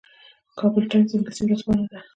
کابل ټایمز انګلیسي ورځپاڼه ده